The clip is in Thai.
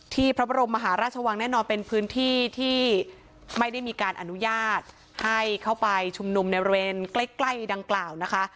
พระบรมมหาราชวังแน่นอนเป็นพื้นที่ที่ไม่ได้มีการอนุญาตให้เข้าไปชุมนุมในบริเวณใกล้ดังกล่าวนะคะ